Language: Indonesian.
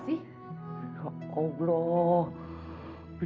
saya saya gak tau den